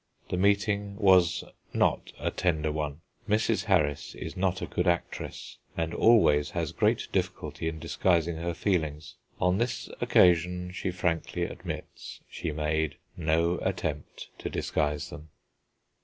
The meeting was not a tender one. Mrs. Harris is not a good actress, and always has great difficulty in disguising her feelings. On this occasion, she frankly admits, she made no attempt to disguise them.